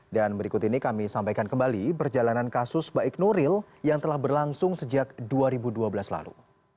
berikut ini kami sampaikan kembali perjalanan kasus baik nuril yang telah berlangsung sejak dua ribu dua belas lalu